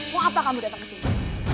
mau apa kamu datang ke sini